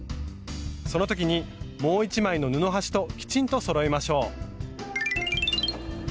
その時にもう一枚の布端ときちんとそろえましょう。